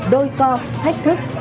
đôi co thách thức